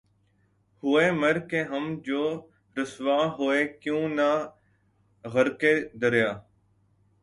ہوئے مر کے ہم جو رسوا ہوئے کیوں نہ غرقِ دریا